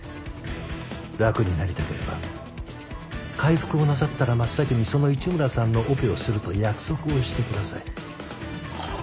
楽になりたければ回復をなさったら真っ先にその一村さんのオペをすると約束をしてください。